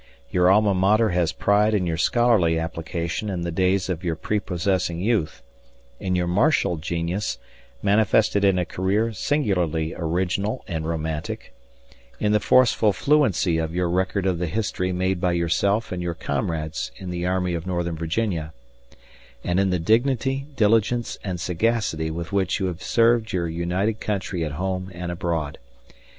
Your Alma Mater has pride in your scholarly application in the days of your prepossessing youth; in your martial genius, manifested in a career singularly original and romantic; in the forceful fluency of your record of the history made by yourself and your comrades in the army of Northern Virginia; and in the dignity, diligence, and sagacity with which you have served your united country at home and abroad.